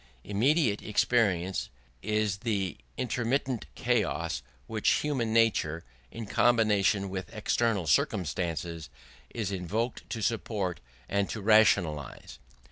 Immediate experience is the intermittent chaos which human nature, in combination with external circumstances, is invoked to support and to rationalise.